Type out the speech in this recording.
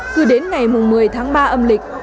cứ đến ngày một mươi tháng ba âm lịch